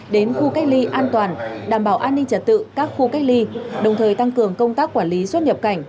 đến khu cách ly an toàn đảm bảo an ninh trật tự các khu cách ly đồng thời tăng cường công tác quản lý xuất nhập cảnh